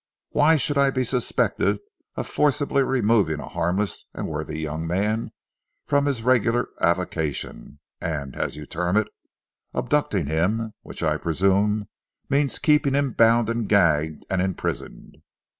Why should I be suspected of forcibly removing a harmless and worthy young man from his regular avocation, and, as you term it, abducting him, which I presume means keeping him bound and gagged and imprisoned?